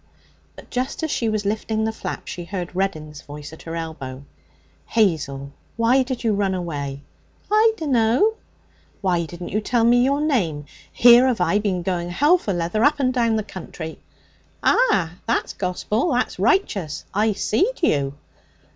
But just as she was lifting the flap she heard Reddin's voice at her elbow. 'Hazel, why did you run away?' 'I dunno.' 'Why didn't you tell me your name? Here have I been going hell for leather up and down the country.' 'Ah! That's gospel! That's righteous! I seed you.'